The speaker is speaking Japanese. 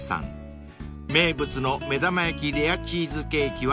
［名物の目玉焼きレアチーズケーキは必食です］